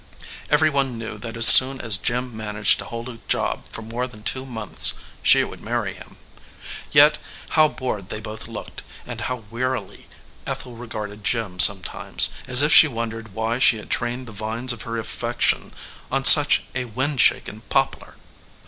Every one knew that as soon as Jim managed to hold a job for more than two months she would marry him. Yet how bored they both looked, and how wearily Ethel regarded Jim sometimes, as if she wondered why she had trained the vines of her affection on such a wind shaken poplar.